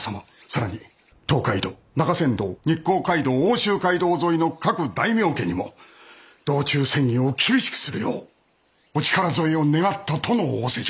更に東海道中山道日光街道奥州街道沿いの各大名家にも道中詮議を厳しくするようお力添えを願ったとの仰せじゃ。